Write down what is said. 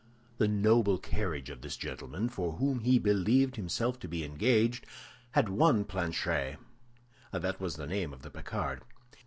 The noble carriage of this gentleman, for whom he believed himself to be engaged, had won Planchet—that was the name of the Picard.